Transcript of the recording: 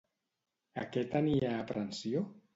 A què tenia aprensió?